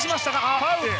ファウル。